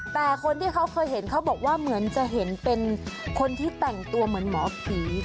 แต่คนที่เขาเคยเห็นเขาบอกว่าเหมือนจะเห็นเป็นคนที่แต่งตัวเหมือนหมอผี